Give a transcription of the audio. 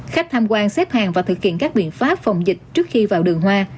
khách tham quan xếp hàng và thực hiện các biện pháp phòng dịch trước khi vào đường hoa